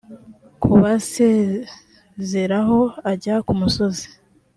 kubasezeraho ajya ku musozi